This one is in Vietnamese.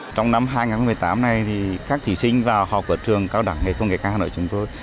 trong năm hai nghìn một mươi tám này thì các thí sinh vào học ở trường cao đẳng nghề công nghệ cao hà nội chúng tôi